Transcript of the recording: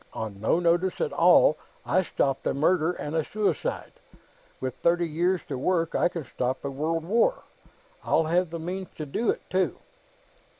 On no notice at all, I stopped a murder and a suicide. With thirty years to work, I can stop a world war. I'll have the means to do it, too."